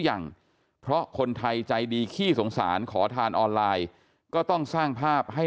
ยังเพราะคนไทยใจดีขี้สงสารขอทานออนไลน์ก็ต้องสร้างภาพให้